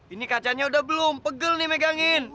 ini kacanya udah belum pegel nih megangin